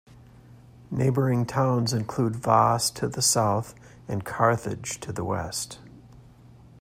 Neighboring towns include Vass to the south and Carthage to the west.